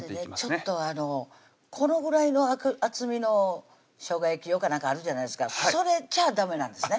ちょっとあのこのぐらいの厚みのしょうが焼き用か何かあるじゃないですかそれじゃあダメなんですね